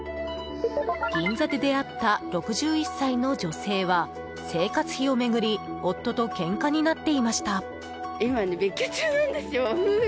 銀座で出会った６１歳の女性は生活費を巡り夫とけんかになっていました。